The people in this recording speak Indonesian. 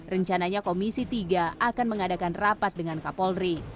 rencananya komisi tiga akan mengadakan rapat dengan kapolri